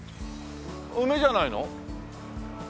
梅じゃないの？